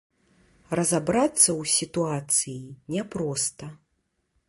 Разабрацца ў сітуацыі няпроста.